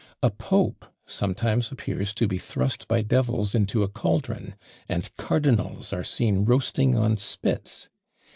A pope sometimes appears to be thrust by devils into a cauldron; and cardinals are seen roasting on spits!